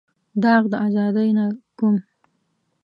داغ د ازادۍ نه کوم.